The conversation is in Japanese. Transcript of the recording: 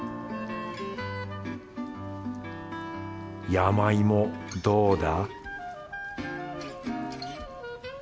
山芋どうだ？